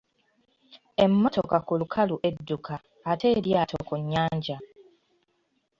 Emmotoka ku lukalu edduka ate eryato ku nnyanja?